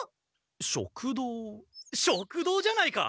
食堂食堂じゃないか？